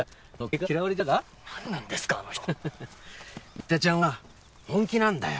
仁田ちゃんは本気なんだよ。